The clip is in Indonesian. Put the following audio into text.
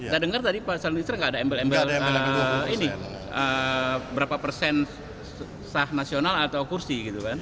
saya dengar tadi pasal ini tidak ada embel embel berapa persen sah nasional atau kursi